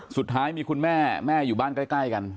สุดท้ายมีคุณแม่แม่อยู่บ้านใกล้กัน